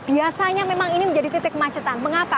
biasanya memang ini menjadi titik kemacetan mengapa